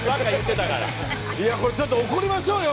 いや、これ、ちょっと怒りましょうよ。